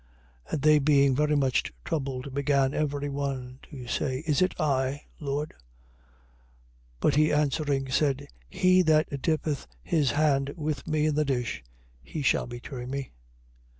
26:22. And they being very much troubled began every one to say: Is it I, Lord? 26:23. But he answering said: He that dippeth his hand with me in the dish, he shall betray me.